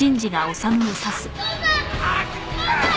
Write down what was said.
父さん！